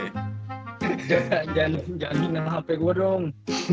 jangan jangan jangan nyalah hp gue dong